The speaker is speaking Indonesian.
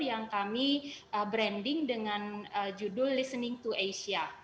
yang kami branding dengan judul listening to asia